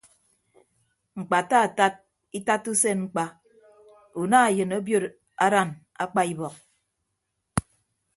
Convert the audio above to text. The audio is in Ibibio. Ñkpataatat itatta usen ñkpa una eyịn obiot adan akpa ibọk.